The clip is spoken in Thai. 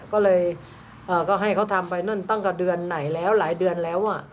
ก็เลยก็ให้เขาทำไปนั่นตั้งกับเดือนไหนแล้วหลายเดือนแล้ว